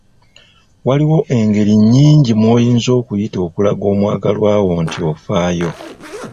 Waliwo engeri nnyingi mw'oyinza okuyita okulaga omwagalwawo nti ofaayo.